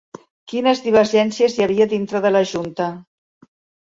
Quines divergències hi havia dintre de la Junta?